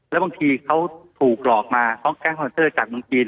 แล้วบางทีเขาถูกหลอกมาเขาแก๊งฮอนเซอร์จากเมืองจีน